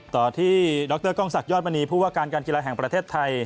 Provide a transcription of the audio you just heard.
ต่อที่ดรกล้องศักดิยอดมณีผู้ว่าการการกีฬาแห่งประเทศไทย